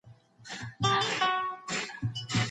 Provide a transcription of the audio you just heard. له هغې ورځي نن شل کاله تېرېږي